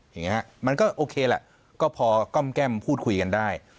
อย่างนี้ฮะมันก็โอเคแหละก็พอก้อมแก้มพูดคุยกันได้